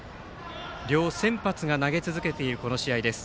両先発が投げ続けているこの試合です。